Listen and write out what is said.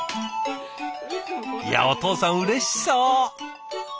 いやお父さんうれしそう！